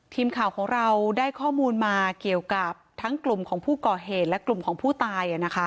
ทีมข่าวของเราได้ข้อมูลมาเกี่ยวกับทั้งกลุ่มของผู้ก่อเหตุและกลุ่มของผู้ตาย